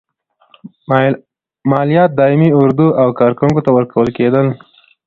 مالیات دایمي اردو او کارکوونکو ته ورکول کېدل.